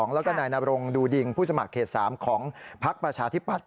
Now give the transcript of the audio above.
แล้วก็นายนบรงดูดิงผู้สมัครเขต๓ของพักประชาธิปัตย